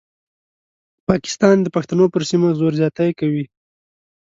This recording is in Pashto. پاکستان د پښتنو پر سیمه زور زیاتی کوي.